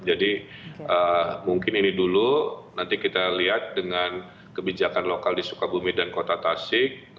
jadi mungkin ini dulu nanti kita lihat dengan kebijakan lokal di sukabumi dan kota tasik